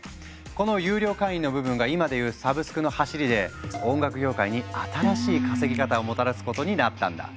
この有料会員の部分が今で言うサブスクのはしりで音楽業界に新しい稼ぎ方をもたらすことになったんだ。